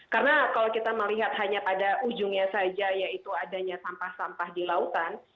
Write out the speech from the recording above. karena kalau kita melihat hanya pada ujungnya saja yaitu adanya sampah sampah di lautan